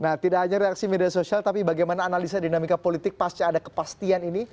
nah tidak hanya reaksi media sosial tapi bagaimana analisa dinamika politik pasca ada kepastian ini